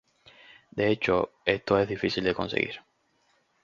De hecho esto es difícil de conseguir.